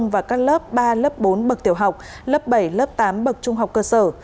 và các lớp ba lớp bốn bậc tiểu học lớp bảy lớp tám bậc trung học cơ sở